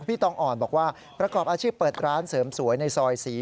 ตองอ่อนบอกว่าประกอบอาชีพเปิดร้านเสริมสวยในซอยศรี